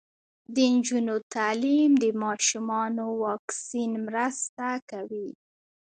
د نجونو تعلیم د ماشومانو واکسین مرسته کوي.